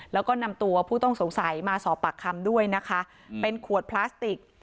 แล้วก็นำตัวผู้ต้องสงสัยมาสอบปากคำด้วยนะคะเป็นขวดพลาสติก